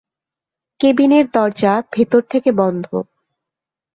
কেবিনের দরজা ভেতর থেকে বন্ধ।